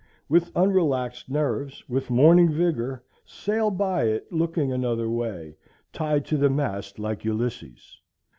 With unrelaxed nerves, with morning vigor, sail by it, looking another way, tied to the mast like Ulysses.